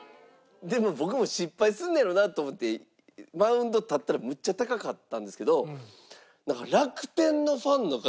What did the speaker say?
でもう僕も失敗すんのやろなと思ってマウンド立ったらむっちゃ高かったんですけど。